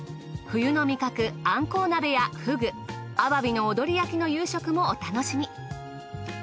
冬の味覚あんこう鍋やふぐアワビの踊り焼きの夕食もお楽しみ。